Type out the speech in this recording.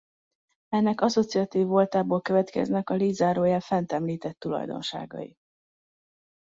Ennek asszociatív voltából következnek a Lie-zárójel fent említett tulajdonságai.